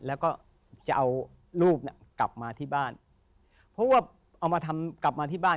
แล้วก็จะเอารูปน่ะกลับมาที่บ้านเพราะว่าเอามาทำกลับมาที่บ้าน